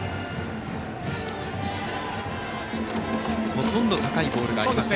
ほとんど高いボールがありません。